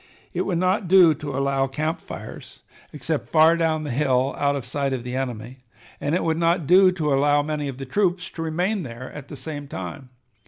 It would not do to allow camp fires except far down the hill out of sight of the enemy, and it would not do to allow many of the troops to remain there at the same time.